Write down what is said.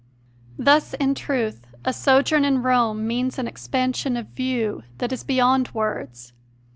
Thus, in truth, a sojourn in Rome means an expansion of view that is beyond words.